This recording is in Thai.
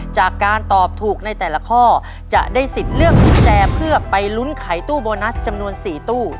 จากการตอบถูกในแต่ละข้อจะได้สิทธิ์เลือกกุญแจเพื่อไปลุ้นไขตู้โบนัสจำนวน๔ตู้